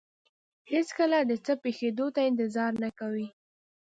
هېڅکله د څه پېښېدو ته انتظار نه کوي.